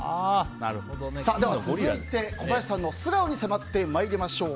では続いて小林さんの素顔に迫ってまいりましょう。